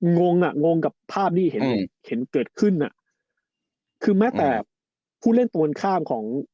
งงอ่ะงงกับภาพที่เห็นเห็นเกิดขึ้นอ่ะคือแม้แต่ผู้เล่นตัวกันข้ามของ